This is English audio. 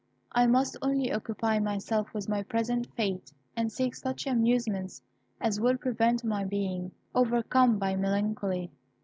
I must only occupy myself with my present fate, and seek such amusements as will prevent my being overcome by melancholy."